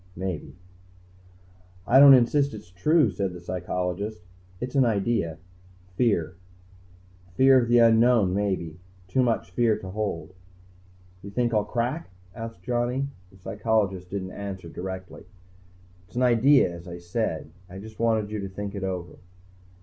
"Maybe." "I don't insist it's true," said the psychologist. "It's an idea. Fear. Fear of the unknown, maybe. Too much fear to hold." "You think I'll crack?" asked Johnny. The psychologist didn't answer directly. "It's an idea, as I said. I just wanted you to think it over."